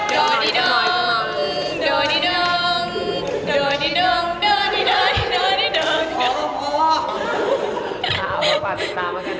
โดดีโดดีโดงโดดีโดดีโดง